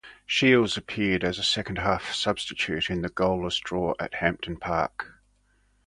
Shiels appeared as a second-half substitute in the goalless draw at Hampden Park.